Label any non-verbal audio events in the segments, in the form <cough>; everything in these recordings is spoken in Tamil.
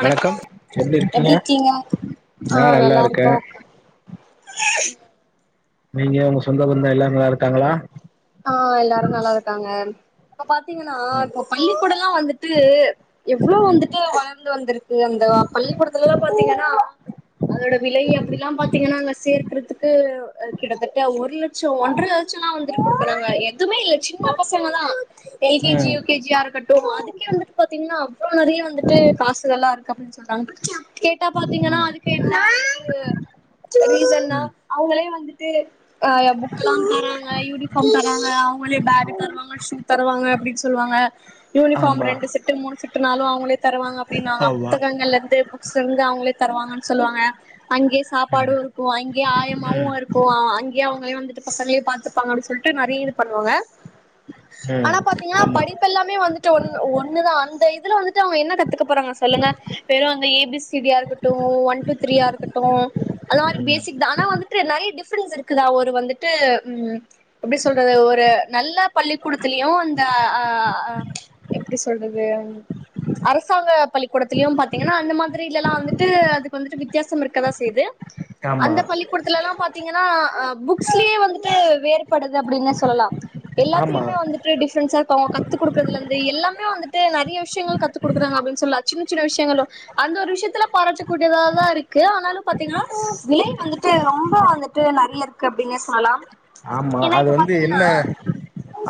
வணக்கோ வணக்கம் எப்டி இருக்கீங்க ஆ நா நல்லா இருக்கே இருக்கோ நீங்க உங்க சொந்த பந்தம் எல்லாரு நல்லா இருக்காங்களா ஆ எல்லாரு நல்லா இருக்காங்க இப்ப பாத்தீங்கன்னா ம் இப்ப பள்ளிக்கூடம் எல்லா வந்துட்டு எவ்ளோ வந்துட்டு வளந்து வந்திருக்கு அந்த பள்ளிக்கூடத்துல எல்லா பாத்தீங்கன்னா அதோட விலை அப்டில்லா பாத்தீங்கன்னா அங்க சேர்க்கிறதுக்கு கிட்டத்தட்ட ஒரு லட்சம் ஒன்றரை லட்சம் குடுக்குறாங்க எதுமே இல்ல சின்ன பசங்க தா எல்கேஜி ம் யுகேஜியா இருக்கட்டும் அதுக்கே வந்துட்டு பாத்தீங்கன்னா அவ்ளோ நெறைய வந்துட்டு காசு நல்லா இருக் <unintelligible> கேட்டா பாத்தீங்கன்னா ம் அதுக்கு என்ன ரீசன்னா ம் அவங்களே வந்து தே அ புக் எல்லாம் தராங்க தவ அவுங்களே பேக் தருவாங்க ஷூ தருவாங்க அப்படின்னு சொல்லுவாங்க யூனிபார்ம் ஆமா ரெண்டு செட்டு மூணு செட்டுனாலும் அவுங்களே தருவாங்க அப்படின்னாங்க ஆமா புத்தகங்கள்ல இருந்து புக்ஸ் இருந்து அவுங்களே தருவாங்கன்னு சொல்லுவாங்க அங்கேயே சாப்பாடும் இருக்கும் அங்கேயே ம் ஆயமாவும் இருக்கும் அங்கயங்க பசங்கலே வந்துட்டு பசங்கலே பாத்துப்பாங்க அப்டின் சொல் நிறைய இது பண்ணுவாங்க ஆனா ம் பாத்தீங்கன்னா ஆமா படிப்பு எல்லாமே வந்துட்டு ஒ ஒண்ணுதான் அந்த இதுல வந்துட்டு அவுங்க என்ன கத்துக்க போறாங்க சொல்லுங்க வெறும் அந்த ஏபிசிடியா இருக்கட்டும் ஒன் டூ த்ரீயா இருக்கட்டும் அந்த மாதிரி ம் பேசிக் தான் ஆனா வந்துட்டு நிறைய டிப் டிப்ரன்ஸ் இருக்குங்க ஒரு வந்துட்டு உம் எப்படி சொல்றது ஒரு நல்ல பள்ளிக்கூடத்திலயும் அந்த அஹ்ஹ எப்படி சொல்றது அரசாங்க பள்ளிக்கூடத்திலயும் பாத்தீங்கன்னா அந்த மாதிரி இல்லல்லாம் வந்துட்டு அதுக்கு வந்துட்டு வி வித்தியாசம் இருக்கிறதா செய்து ஆமா அந்த பள்ளிக்கூடத்துல எல்லாம் பாத்தீங்கன்னாஆஹ் புக்ஸ்லயே வந்துட்டு வேறு படுது அப்படின்னு சொல்லலா ஆமா எல்லாத்தலுமே வந்துட்டு டிப்ரஷா இருக்க கத்து குடுக்கறதுல இருந்து எல்லாமே வந்துட்டேன் நிறைய விஷயங்கள கத்து கொடுக்குறாங்க அப்பின்னு சொல்ல சின்ன சின்ன விஷயங்களும் அந்த ஒரு விஷயத்துல பாராட்டக்க கூடியதா தான் இருக்கு ஆனாலும் பாத்தீங்கன்னா விலை வந்துட்டு ரொம்ப வந்துட்டு நிறைய இருக்கு அப்டின்னுசொல்லலாம் ஆமா அது வந்து என்ன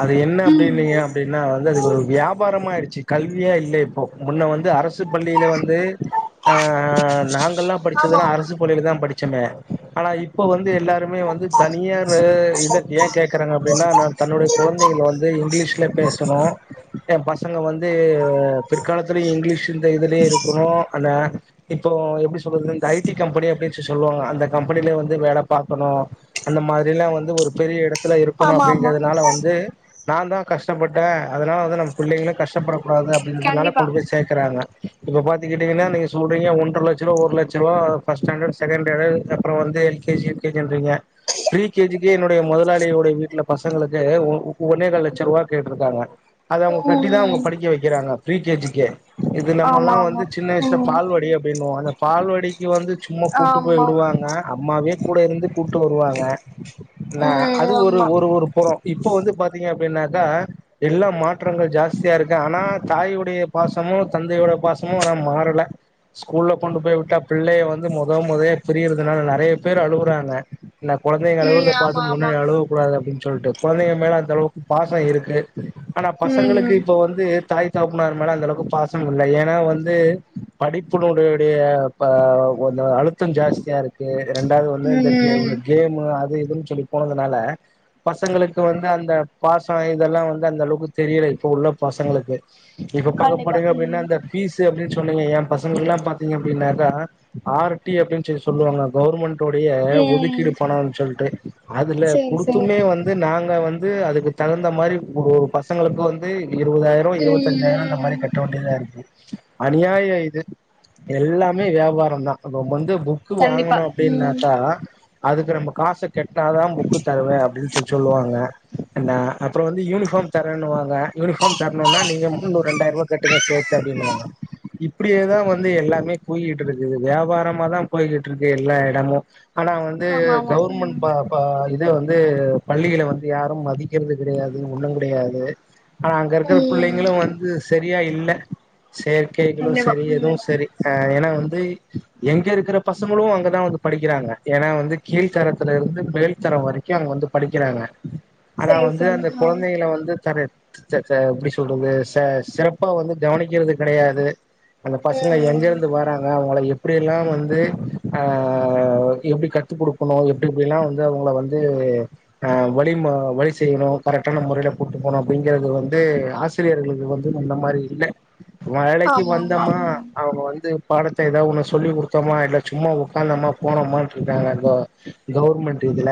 அது என்ன அப்படின்னீங்க அப்படின்னா வந்து அது ஒரு வியாபாரமயிடுச்சி கல்வியா இல்ல இப்போ முன்ன வந்து அரசு பள்ளியில வந்து ஆஹ் நாங்கள்லா ஆமா படிச்சதெல்லா ஆமா அரசு பள்ளியில தா படிச் ச்சாமே ஆனா இப்ப வந்து எல்லாருமே வந்து தனியா இதை ஏன் கேட்குறாங்க அப்படின்னா நான் தன்னுடைய குழந்தைங்க வந்து இங்கிலீஷில் பேசணும் என் பசங்கள் வந்து பிற்காலத்துலயும் இங்கிலீஷ் இந்த இதுலயே இருக்கணும் அந்தால் இப்போ எப்படி சொல்றது இந்த ஐடி கம்பெனி அப்டின் சிஸ் சொல்லுவாங்க அந்த கம்பெனிலே வந்து வேலை பாக்கணும் அந்த மாதிரி எல்லாம் வந்து ஒரு பெரிய இடத்தை ல இருக்கணும் அப்படிங்கிறதுனால வந்து நா தா கஷ்டப்பட்டே அதனால வந்து நம் புள்ளைங்களும் கஷ்டப்படக்கூடாது அப்படின்றதுனால கண்டிப்பா கொண்டு போய் சேர்க்குறாங்க இப்ப பாத்துக்கிட்டீங்கன்னா நீங்க சொல்றீங்க ஒன்ற லட்சருவ ஒரு லட்சருவ ஃபர்ஸ்ட் ஸ்டாண்டர்ட் செகண்ட் ஸ்டாண்டர்ட் அப்பறம் வந்து எல் கேஜியுஜின்றீங்க பிரீ கேஜிக்குே என்னுடைய முதலாளியோடைய வீட்டுல பசங்களுக்கு ஒன்னே காலட்சம் ரூபாய் கேட்டிருக்காங்க அது அவங்க கட்டி தான் அவங்க ம் படிக்க வைக்கிறாங்க பிரீ கேஜிக்கே இது ம் நம்ம ஆமா எல்லாம் ஆமா வந்து சின்ன வயசுல ம் பால்வடி அப்படின்னு வோம் பால்வடிக்கு வந்து சும்மா கூட்டு போய் ஆமா விடுவாங்க அம்மாவே கூட இருந்து கூப்ட்டு வருவாங்க நா ம் அது ஒரு ஆமா ஒரு ஒரு புறம் இப்போ வந்து பார்த்தீங்க அப்படின்னாக்கா எல்லா மாற்றங்கள் ஜாஸ்தியா இருக்கு ஆனா தாயுடைய பாசமும் தந்தையோட பாசமும் ஆனா மாறல ஸ்கூல்ல கொண்டு போய் விட்டா பிள்ளைய வந்து முத முதைய பிரிறதுனால நிறைய பேர் அழுகுறாங்க குழந்தைங்க ம் அழுவுறத ஆமா பாத்து ஆமா முன்னாடி அழுகக்கூடாது அப்பின்னு சொல்லிட்டு குழந்தைங்க மேலே அந்த அளவுக் பாசம் இருக்கு ஆனா பசங்களுக்கு ம் இப்ப வந்து தாய் தாக்குனார் மேல அந்த அளவுக்கு பாசம் இல்லை ஏன்னா வந்து படிப்புனடடைய கொஞ்ச அழுத்தம் ஜாஸ்தியா இருக்கு இரண்டாவது வந்து ம் இந்த ம் கேப அது எதுன்னு சொல்லி போனதுனால பசங்களுக்கு வந்து அந்த பாசம் இதெல்லாம் வந்து அந்த அளவுக்கு தெரியல இப்ப உள்ள பசங்களுக்கு இப்ப பாக்க கண்டிப்பா போறீங்க அப்படின்னா ம் அந்த பீசு அப்படின் சொல் சொன்னீங்க என் பசங்கள் எல்லாம் பாத்தீங்க அப்படின்னாக்க ஆர்டி அப்படின்னு சொல்லுவாங்க கவர்மெண்ட் டுடய ஒதிக் ம் கீடு பனம்னு சொல்லிட்டு அதுல சேரி சேரி கொடுத்துமே வந்து நாங்க வந்து அதுக்கு தகுந்த மாதிரி ஒரு ஒரு பசங்களுக்கு வந்து இருபதாயிரம் இருவத்தஞ்சாயிரம் அந்த மாரி ம் கட்ட வேண்டிதா இருக்கு அநியாய இது எல்லாமே வியாபாரம் வந்து <unintelligible> புக்கு கண்டிப்பா வாங்கணும் ம் அப்படின்னாக்கா அதுக்கு நம்ம காசு கெட்னா தான் புக்கு தருவேன் அப்படின்னு சொல்லி சொல்லுவாங்க அப்புறம் வந்து யூனிஃபார்ம் தரேன்னுவாங்க யூனிபார்ம் தரணும்னா நீங்க முன்னூறு ரெண்டாயிரம் ரூபாய் கட்டுங்க சேர்த்து அப்படின்னுவாங்க இப்படியேதான் வந்து எல்லாமே போயிட்டு இருக்குது வியாபாரமா தான் போயிட்டு இருக்கு எல்லா இடமும் ஆனா ஆமா ஆமா ம் கவர்மெண்ட் இது வந்து பள்ளிகள வந்து யாரும் மதிக்கிறது கிடையாது ஒண்ணும் கிடையாது ஆனா அங்க இருக்கற ம் பிள்ளைங்களும் வந்து சரியா இல் இல்ல செயற்கைகளும் கண்டிப்பா சரி ம் எதுவும் சரி ஆஹ் ஏன்னா வந்து எங்க இருக்கிற பசங்களும் அங்கதான் வந்து படிக்கிறாங்க ஏன்னா வந்து கீழ்த்தரத்துல இருந்து மேல்தரம் வரைக்கும் அவங்க வந்து படிக்கிறாங்க ஆனா சேரி வந்து சேரி அந்த ஆ ம் குழந்தைகள வந்து தர எப்படி சொல்றது ச சிறப்பா வந்து கவனிக்கிறது கிடையாது அந்த பசங்க எங்கிருந்து வராாங்க அவங்கள எப் அப்படிய எல்லாம் வந்து அஹ எப்படி கட் த்து கொடுக்கணும் எப்படி இப்படிலாம் வந்து அவங்கள வந்து அஹ் வழி வழி செய்யணும் கரெக்டான முறையில போட்டுக்கணும் அப்படிங்கறிறது வந்து ஆசிரியர்களுக்கு வந்து அந்த மாதிரி இல்லை மழைக்கு ஆமா ஆமா வந்தமா ம் ம் அவங்க வந்து பாடத்தை ஏதாவ ஒன்னு சொல்லி கொடுத்தோமா இல்லை சும்மா உட்காந்தமா போனோம இருக்காங்க கவர்மெண்ட் இதுல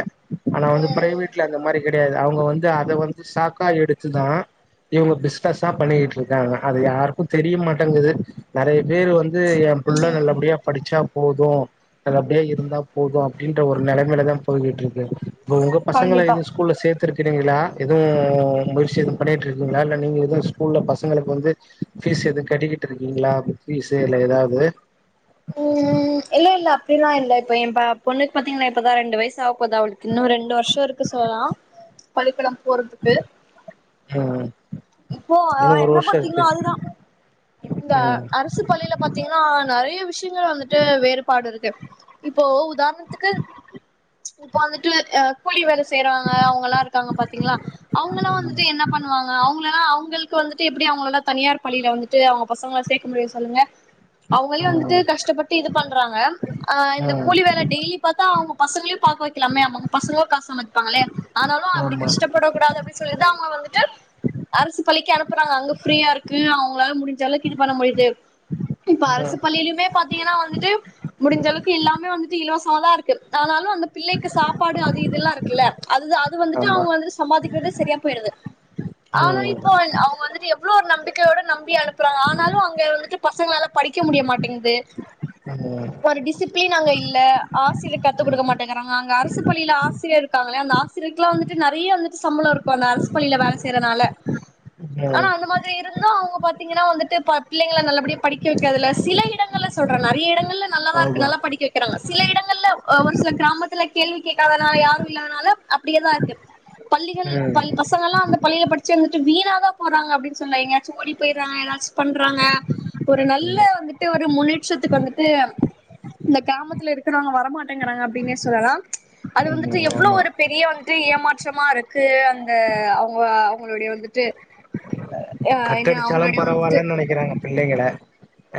ஆனால் வந்து பிரைவேட்ல அந்த மாதிரி கிடையாது அவங்க வந்து அதை வந்து சாக்கா எடுத்து தான் இவங்க பிஸ்னஸ்ஸா பண்ணிக்கிட்டு இருக்காங்க அது யாருக்கும் தெரியமாட்டேங்குது நிறைய பேர் வந்து என் புள்ள ம் நல்லபடியா படிச்சா போதும் நல்லபடியா இருந்தா போதும் அப்படின்ற ஒரு நிலைமில தான் போயகிட்டு இருக்கு இப்ப உங்க பசங்க கண்டிப்பா எது ஸ்கூல்லல சேர்த்துக்கு எதுவும் முயற்சி எதுவும் பண்ணிட்டு இருக்கீா இல்ல நீங்க எ ஸ்கூல்ல பசங்களுக்கு வந்து பீஸ் எது கட்டக்கிட்டு இருக்கீங்களா பீஸ் இல்ல ஏதாவது ம் இல்ல இல்ல அப்படியெல்லாம் இல்ல இப்ப பொண்ணு பாத்தீன்னா இப்பதான் ரெண்டு வயசு ஆக இன்னும் ரெண்டு வருஷம் இருக்கு சொன் பள்ளிக்கடம் போறதுக்கு ம் இப்போ இன்னு ஒரு என்ன வருஷோ இருக்கு பாத்தீங்கன்னா அதுதான் இந்த ம் அரசு பள்ளியில பாத்தீங்கன்னா நிறைய விஷயங்கள் வந்து வேறுபாடு இருக்கு இப்போ உதாரணத்துக்கு இப்போ வந்துட்டு கூலி வேல சேவாங்க அவங்க எல்லாம் இருக்காங்க பாத்தீங்களா சேரா சேரா அவங்கல்லாம் இருக்காங்க பாத்திங்களா அவ்ங்கள ம் வந்துட்டு என்ன பண்ணுவாங்க அவங்களல்லாம் அவங்க இப்ப வந்துட்டு எப்படி அவங்களல்லாம் தனியார் பள்ளியில வந்துட்டு அவங்க பசங்கங்கள சேர்க்க முடியும் சொல்லுங்க அவங்களையும் வந்துட்டு ம் கஷ்டப்பட்டு இது பண்றாங்க இந்த கூலி ம் வேலை டெய்லி பார்த்தா அவங்க பசங்களையும் பாக்க வைக்கலாமே அவங்க பசங்களும் காச சம்பாரிப்பாங்களே ஆனாலும் அப்படி ஆமா கஷ்டப்படக்க கூடாத சொல்லி அவங்க வந்துட்டு அரசு பள்ளிக்கு அனுப்புறாங்க அங்க இருக்கு அவங்களால முடிஞ்சலவுக்கு இது பண்ண முடியுது இப்ப அரசு ம் பள்ளியிலுமே பாத்தா வந்துட்டு முடிஞ்ச அளவுக்கு எல்லாமே வந்துட்டு இலவச தான் இருக்கு அதனால அந்த பிள்ளைக்கு சாப்பாடு அது இதெல்லாம் இருக் இல அது அது வந்துட்டு ஆமா அவங்க வந்துட்டு சம்பாதிக்கிறதே சரியா போயிடுது ஆனா ம் இப்போ அவங்க வந்துட்டு இவ்வளவு ஒரு நம்பிக்கையோட நம்பி அனுப்புறாங்க ஆனாலும் அங்க வந்துட்டு பசங்களாலாம் படிக்க முடிய மாட்டேங்குது ம் ஒரு டிசிப்ளின் அங்க இல்ல ஆசிரியர்க்கு கத்துக் ம் கொடுக்க மாட்டேங்கிறாங்க அங்க அரசு பள்ளியில ஆசிரியர் இருக்காங்களே அந்த ஆசிரியர்கக்கு எல்லாம் வந்துட்டு நிறைய வந்துட்டு சம்பளம் இருக்கும் அந்த அரசு பள்ளியில வேலை செய்யறனால ஆனா ம் அந்த மாதிரி இருந்தும் அவங்க பாத்தீங்கன்னா வந்துட்டு பிள்ளைங்களை நல்லபடிய படிக்க வைக்கதுல சில இடங்கள சொல்றேன் நிறைய இடங்கள்ல நல்லதான் இருக்கு ஆமா நல்ல படிக்க வைக்கிறாங்க சில இடங்கள்ல ஒரு சில கிராமத்துல கேள்வி கேட்காதனால யாரும் இல்லாதனால அப்படியேதான் இருக்கு பள்ளிகள் ம் பல் பசங்கள் எல்லாம் அந்த பள்ளியில படிச்சு வந்துட்டு வீணாதான் போடுறாங்க அப்படின்னு சொல்லல எங்கயாச்சும் ஓடி போயடுறாங்க ஏதாச்சும் பண்றாங்க ஒரு நல்ல ம் வந்துட்டு ஒரு முன்னிட்டு த்துக்கு வந்துட்டு இந்த கிரமத்துல இருக்க வர மாட்டே ங்கறாங்க அப்படின்னே சொல்லலாம் அது வந்துட்டு ம் எவ்வளவு ஆமா ஒரு பெரிய வந்துட்டு ஏமாற்றமா இருக்கு க்கு அந்த அவங்க அவங்களுடைய வந்துட்டு அஹ் என்ன கட்டடிச்சாலும் அவங்களுடைய வந்துட்டு பரவாயில்லன்னு நினைக்கிறாங்க பிள்ளைங்கள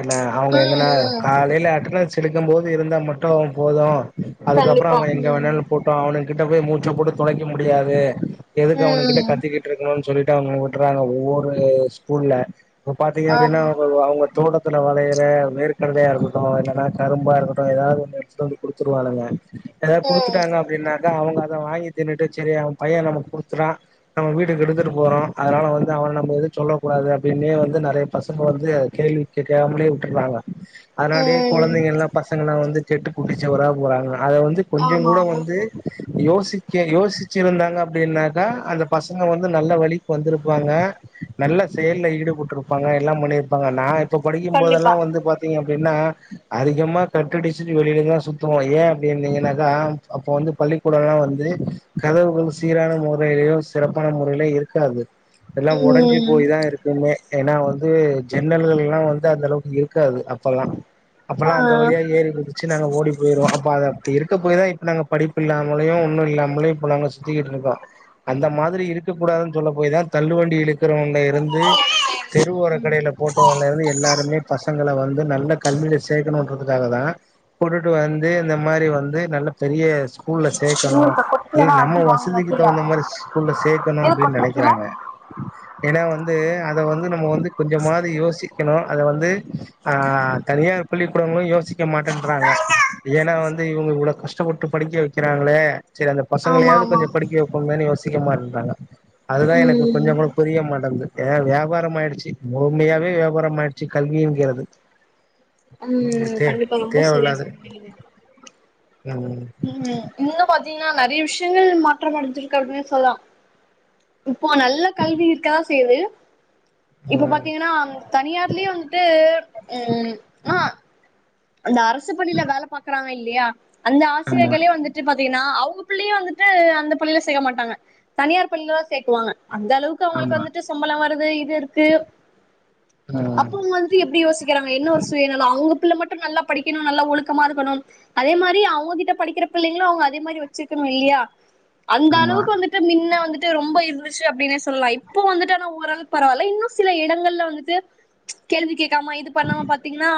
இல்ல ம் அவங்க எங்கன்னா ம் காலையில அட்டனன்ஸ் போட் சிலிக்கும்போது இருந்தால் மட்டும் போதும் அதுக்கப்பறம் கண்டிப்பா அவன் எங்க ம் வேனால போவ்ட்டும் அவனு கிட்ட போய் மூச்சை போட்டு துலைக்க முடியாது எதுக்கு அவன கிட்ட ம் கத்தக்கிட்டு இருக்கணும்னு சொல்லிட்டு அவங்க விட்டுறாங்க ஒவ்வொரு ஸ்கூல்லல இப்ப பாத்தீங்க அப்படின்னா ஆமா அவங்க தோட்ட இத்துல வளையற வேர்க்கடலையாக்கட்டும் என்னலைன்னா கரும்பா இருக்கட்டும் ஏதாவது ஒ எடுத்துட்டு வந்து கொடுத்துருவானுங்க எதாவது ம் குடுத்துட்டாங்க அப்படின்னா அவங்க அத வாங்கி திண்னுட்டு சரி அவன் பையன் நமக்கு கொடுத்துடான் நம்ம வீடுக்கு எடுத்துட்டு போறோம் அதனால வந்து அவம் து சொல்லக் கூடாது அப்படின்னே வந்து நிறைய பசங்க வந்து கேள்வி காமே விட்டுருறாங்க அதனடியே ம் குழந்தைங்க எல்லாம் பசங்கல்லாம் வந்து கெட்டு குட்டிச்சவரா போறாங்க அதை வந்து கொஞ்ச ஆமா கூட ஆமா வந்து யோசிக்க யோசிச்ச வச்சிருந்தாங்க அப்படின்னாக்கா அந்த பசங்க வந்து நல்ல வழி வந்திருப்பாங்க நல்ல செயல்லல ஈடுபட்டிருப்பாங்க எல்லாம் முன்னிருப்பாங்க நான் இப்ப படிக்கும் கண்டிப்பா போதெல்லாம் வந்து பாத்தீங்க அப்படின்னா அதிகமா கட்டடிச்சுட்டு வெளியிலதான் சுத்துவோம் ஏன் அப்படிந்தீங்கன்னாக்கா அப்ப வந்து பள்ளிக்கூடம் எல்லாம் வந்து கதவுகள் சீரான முறையிலயும் சிறப்பான முறையிலயும் இருக்காது எல்லாம் உடஞ்ச ஞ்சு ம் போய் தான் இருக்குமே ஏன்னா வந்து ஜன்னல் வழிய எல்லாம் வந்து அந்த அளவுக்கு இருக்காது அப்பல்லாம் அப்பெல்லாம் அந்த வழியா ஏறி குதிச்சு நாங்க ஓடி போயுருவோம் அப்ப அது அப்படி இருக்க போய் தான் இப்ப நாங்க படி இல்லாமல ஒன்னும் இல்லாமல இப்ப நாங்க சுத்திக்கிட்டு இருக்கோம் அந்த மாதிரி இருக்கக்கூடாது சொல்ல போய் தான் தள்ளுவண்டி இழுக்கு <unintelligible> இங்க இருந்து தெருவோர கடையில போட்டவ இருந்து எல்லாருமே பசங்களை வந்து நல்ல கல்வில சேர்க்கணுன்றதுக்காக தான் கொட்டுட்டு வந்து இந்த மாதிரி வந்து நல்ல பெரிய ஸ்கூல்ல சேக்கணும் ஊருக்க இல்ல கொட்லனா நம்ம அடி வாங்குவ வசதிக்கு கீழ தகுந்த மாதிரி ஸ்கூல்ல சேர்க்கணும் எது அப்படின்னு கொட்ற கீழ நினைக்கிறாங்க என்னா வந்து அதை வந்து நம் வந்து கொஞ்சமது யோசி இருக்கணு அது வந்து ஆஹ் தனியா பள்ளிக்கூடங்களு யோசி எடுக்க மாட்டேன்றாங்க ஏன்னா வந்து இவங்க இவ்ளோ கஷ்டப்பட்டு படிக்க வைக் கிறாங்களே சரி அந்த ஆமா பசங்களயாவது ஆமா கொஞ்சம் படிக்க வைப்பமேனு யோசி அதிகமா இருந்தாங்க அதுதா எனக்கு ம் கொஞ்சோ கூட குமாட்டன்து ஏ வியாபாரமாயிடுச்சி முழுமையாவே வியாபாரம் ஆயிடுச்சி கல்வியிங்றது ம் கண்டிப்பா ரொம்ப சரியா தேவயில்லாது சொன்னீங்க ம் இன்னும் பாத்தீங்கன்னா நறயா விஷயங்கள் மாற்றம் அடைஞ்சிருக்கு அப்டின் சொல்லலாம் இப்போ நல்ல கல்வி இருக்கா செய்து இப்ப ம் பாத்தீங்கன்னா தனியார்லே வந்துட்டு ம் ஆ அந்த அரசு பள்ளியில வேல பாக்குறாங்க இல் லியா அந்த ஆமா ஆசிரியர்களே வந்துட்டு பாத்தீங்கன்னா அவுங்க பிள்ளைய வந்துட்டு அந்த பள்ளியில சேக மாட்டாங்க தனியார் பள்ளியில தான் சேக்குவாங்க அந்த அளவுக்கு அவுங்களுக்கு ஆமா வந்துட்டு சம்பளம் வ ல்லது இது இருக்கு அப்ப ம் அவுங்க வந்து எப்டி யோசிக்கிறாங்க என்ன ஒரு சுயனலோ அவுங்க கிள மட் நல்லா படிக்கிணு நல்லா ஒழுக்கமா இருக்கணு அதே மாரி அவுங்ககிட்ட படிக்கிற பிள்ளைங்களும் அவுங்க அதே மாரி வச்சிருக்கணு இல்லையா அந்த ஆமா அளவுக்கு வந்துட்டு மின்ன வந்துட் டு ரொம்ப இருந்துச்சு அப்டின்னே சொல்லலாம் இப்போ வந்துட்டுனா ஓரளவுக்கு பரவாயில்ல இன்னும் சில இடங்கள்ல வந்துட்டு கேள்வி கேக் கமா இது பண்ணாம பாத்தீங்கன்னா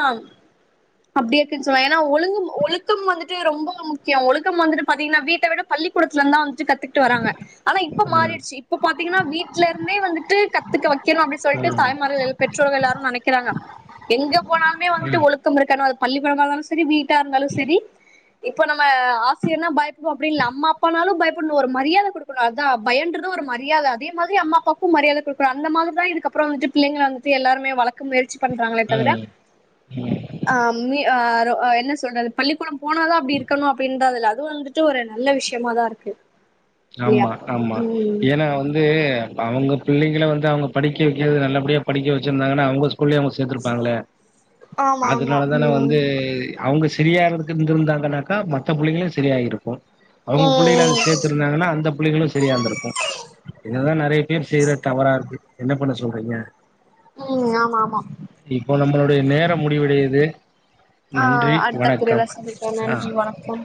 அப்டி இருக்குன்னு சொல்வான் ஏன்னா ஒழுங்கு ஒழுக்கம் வந்துட்டு ரொம்ப முக்கியம் ஒழுக்கம் வந்துட்டு பாத்தீங்கன்னா வீட்ட விட பள்ளிக்கூடத்துலந்தான் ட்டு கத்துக்கிட்டு வராங்க ஆனா இப்ப ம் மாறிடுச்சு இப்ப பாத்திங்கனா வீட்ல இருந்தே வந்துட்டு கத்துக்க வக்கனும் அப்டி சொல்லிட்டு ம் தாய் மார்கள் பெற்றோர்கள் எல்லாரு நெனைக்கறாங்க எங்க போனாலுமே வந்துட்டு ம் ஒழுக் க்கனும் அது பள்ளி கூடமா இருந்தாலும் சரி வீட் ட்ட இருந்தாலும் சரி இப்போ நம்ம ஆசிரியர்னா பயப்புடுவோம் அப்டி இல்ல அம்மா அப்பானாலும் பயப்புடனும் ஒரு மரியாத குடுக்கணும் அதான் பயோன்றது ஒரு மரியாத அதே மாதிரி அம்மா அப்பாக்கும் மரியாதை குடுக்கணும் அந்த மாதிரி தான் இதுக்கப்புறம் வந்துட்டு பிள்ளைங்கள வந்துட்டு எல்லாருமே வளக்க முயற்சி பண்றாங்களே தவிர ம் ம் அம்மி ஆ என்ன சொல்றது பள்ளிக்கூடம் போனதா அப்பிடி இருக்குனு அப்பிடின்றதுல அது வந்துட்டு ஒரு நல்ல விஷயமாதா இருக்கு இல்லையா ஆமா ஆமா உம் ஏன்னா வந்து அவுங்க பிள்ளைங்களை வந்து அவங்க படிக்க வைக்கிறது நல்லபடியா படிக்க வச்சிருந்தாங்கன்னா அவங்க உள்ளே அவங்க சேர்த்திருப்பாங்களே ஆமா ஆமா அதனால தான உம் வந்து அவுங்க சேரியா இருந்துருந்தாங்கன்னாக்கா மத்த பிள்ளைங்களு சேரியா இருக்கு அவுங்க பிள்ளைல அது உம் சேத் இருந்தாங்கனா அந்த புள்ளைகளு சரியாந்திருக்கு இதுதா நறைய பேர் செய்ற தவறாருக்கு என்ன பண்ண சொல்றீங்க உம் உம் ஆமா ஆமா இப்ப நம்மளுடைய நேரம் முடிவடையிது ஆ அடுத்த பிரிவுல சந்திப்போம் ஆ நன்றி வணக்கம்